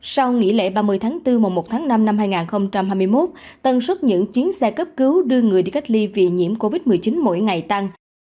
sau nghỉ lễ ba mươi tháng bốn một năm hai nghìn hai mươi một tần suất những chiến xe cấp cứu đưa người đi cách ly vì nhiễm covid một mươi chín mỗi ngày tăng